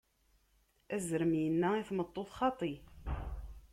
Azrem inna i tmeṭṭut: Xaṭi!